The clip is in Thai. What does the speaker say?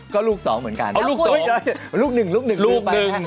ก็ลูก๒เหมือนกันเอาลูก๒ลูก๑ลูก๑ลูก๑